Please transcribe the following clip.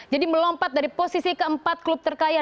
jadi melompat dari posisi keempat klub terkaya